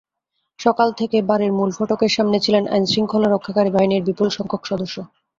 সকাল থেকে বাড়ির মূল ফটকের সামনে ছিলেন আইনশৃঙ্খলা রক্ষাকারী বাহিনীর বিপুলসংখ্যক সদস্য।